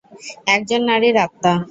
একজন নারীর আত্মা।